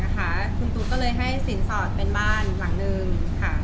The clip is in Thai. คุณตุ๊กก็เลยให้สินสอดเป็นบ้านหลังนึงค่ะ